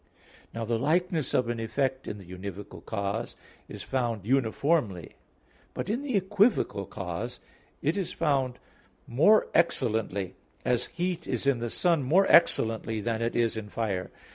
Now the likeness of an effect in the univocal cause is found uniformly; but in the equivocal cause it is found more excellently, as, heat is in the sun more excellently than it is in fire.